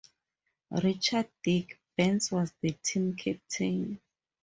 Richard "Dick" Bence was the team captain.